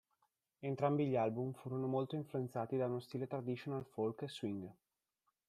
Entrambi gli album furono molto influenzati da uno stile traditional folk e swing.